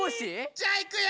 じゃあいくよ！